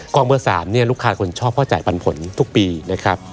เบอร์๓เนี่ยลูกค้าคนชอบก็จ่ายปันผลทุกปีนะครับ